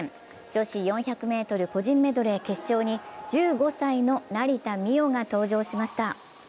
女子４００ｍ個人メドレー決勝に１５歳の成田実生が登場しました。